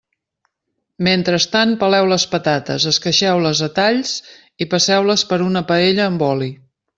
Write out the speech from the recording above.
Mentrestant peleu les patates, esqueixeu-les a talls i passeu-les per una paella amb oli.